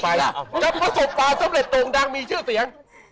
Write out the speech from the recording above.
กับประสบภาพสำเร็จดวงดังมีชื่อเสียง